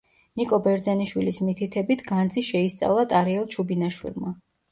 ნიკო ბერძენიშვილის მითითებით განძი შეისწავლა ტარიელ ჩუბინაშვილმა.